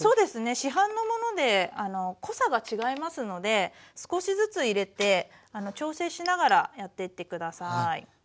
市販のもので濃さが違いますので少しずつ入れて調整しながらやってって下さい。